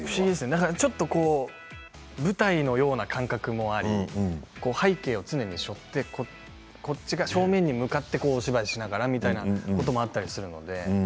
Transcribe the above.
だからちょっと舞台のような感覚もあり背景を常にしょって正面に向かってお芝居をしながらということもあったり。